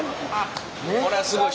これはすごい。